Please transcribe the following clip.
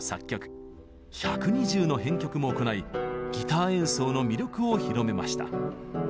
１２０の編曲も行いギター演奏の魅力を広めました。